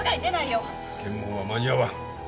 検問は間に合わん。